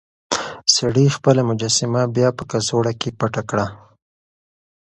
سړي خپله مجسمه بيا په کڅوړه کې پټه کړه.